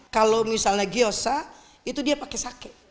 kalau misalnya gyosa itu dia pakai sake